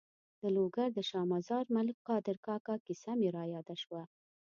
د لوګر د شا مزار ملک قادر کاکا کیسه مې یاده شوه.